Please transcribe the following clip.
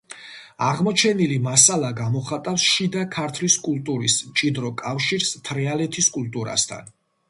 აღმოჩენილი მასალა გამოხატავს შიდა ქართლის კულტურის მჭიდრო კავშირს თრიალეთის კულტურასთან.